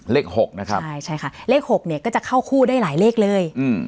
หกนะครับใช่ใช่ค่ะเลข๖เนี่ยก็จะเข้าคู่ได้หลายเลขเลยอืม